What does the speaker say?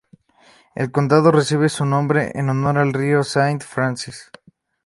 El condado recibe su nombre en honor al río Saint Francis.